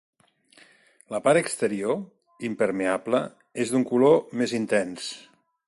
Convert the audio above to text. La part exterior, impermeable, és d’un color més intens.